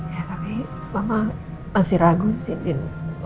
ya tapi mama masih ragu sih din